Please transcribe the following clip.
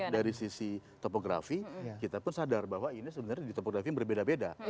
dari sisi topografi kita pun sadar bahwa ini sebenarnya di topografi berbeda beda